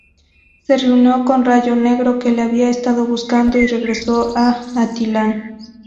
Se reunió con Rayo Negro, que la había estado buscando, y regresó a Attilan.